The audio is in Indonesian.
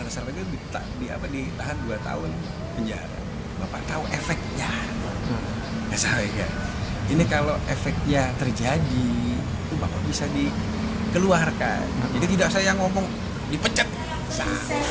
sementara itu seto mulyadi atau akrab disapaka